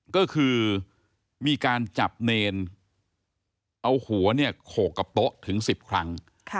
ก็คือมีการจับเนรเอาหัวเนี่ยโขกกับโต๊ะถึง๑๐ครั้ง